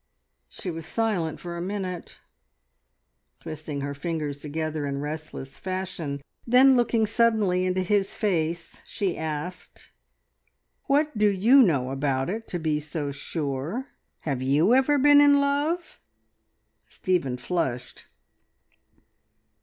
She was silent for a minute, twisting her fingers together in restless fashion, then looking suddenly into his face she asked: "What do you know about it to be so sure? Have you ever been in love?" Stephen flushed.